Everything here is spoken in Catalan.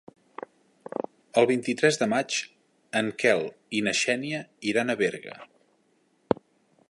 El vint-i-tres de maig en Quel i na Xènia iran a Berga.